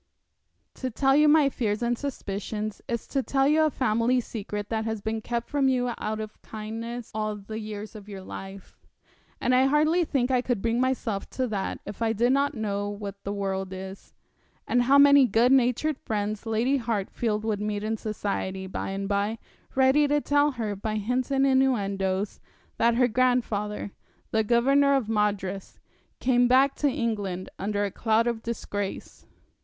'To tell you my fears and suspicions is to tell you a family secret that has been kept from you out of kindness all the years of your life and I hardly think I could bring myself to that if I did not know what the world is, and how many good natured friends Lady Hartfield will meet in society, by and by, ready to tell her, by hints and innuendoes, that her grandfather, the Governor of Madras, came back to England under a cloud of disgrace.'